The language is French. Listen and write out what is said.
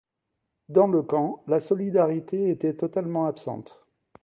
Dans le camp, la solidarité était totalement absente.